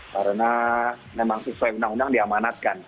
karena memang sesuai undang undang diamanatkan